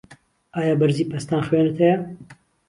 ئایا بەرزی پەستان خوێنت هەیە؟